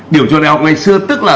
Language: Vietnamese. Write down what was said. điểm chuẩn đại học ngày xưa tức là